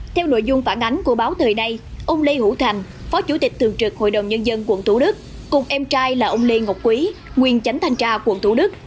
theo nội dung phản ánh của báo thời nay ông lê hữu thành phó chủ tịch thường trực hội đồng nhân dân quận thủ đức cùng em trai là ông lê ngọc quý nguyên chánh thanh tra quận thủ đức